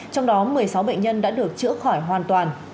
trong đó một mươi sáu bệnh nhân đã được trưởng thành